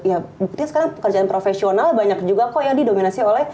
ya buktinya sekarang pekerjaan profesional banyak juga kok yang didominasi oleh